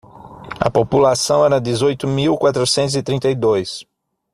A população era dezoito mil quatrocentos e trinta e dois.